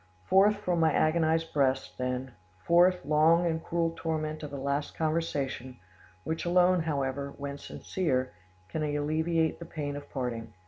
Forth from my agonised breast, then; forth, long and cruel torment of a last conversation, which alone, however, when sincere, can alleviate the pain of parting.